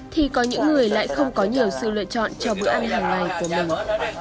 thì có những người lại không có nhiều sự lựa chọn cho bữa ăn hàng ngày của mình